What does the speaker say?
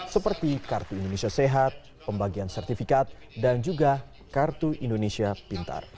seperti kartu indonesia sehat pembagian sertifikat dan juga kartu indonesia pintar